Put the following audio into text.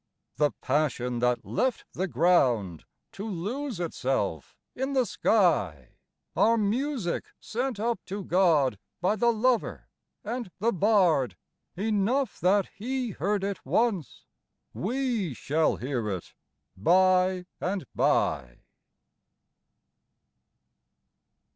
The passion that left the ground to lose it self in the sky, Are music sent up to God by the lover and the bard ; Enough that He heard it once ; we shall hear it by and by."